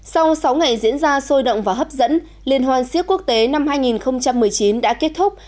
sau sáu ngày diễn ra sôi động và hấp dẫn liên hoàn siếc quốc tế năm hai nghìn một mươi chín đã kết thúc